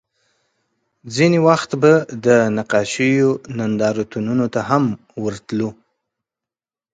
ځینې وخت به د نقاشیو نندارتونونو ته هم ورتلو